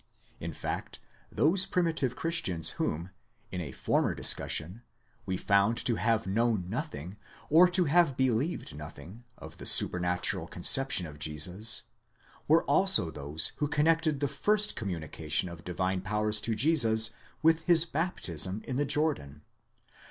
In fact, those primitive Christians whom, in a former discussion, we found to have known nothing, or to have believed nothing, of the supernatural con ception of Jesus, were also those who connected the first communication of divine powers to Jesus with his baptism in the Jordan.